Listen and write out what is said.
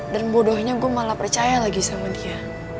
dan bodohnya gue malah percaya lagi sama dia